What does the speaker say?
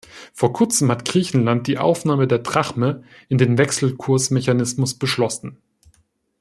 Vor kurzem hat Griechenland die Aufnahme der Drachme in den Wechselkursmechanismus beschlossen.